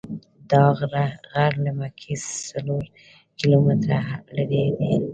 دا غر له مکې څلور کیلومتره لرې دی.